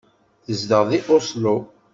Zedɣeɣ deg Oslo.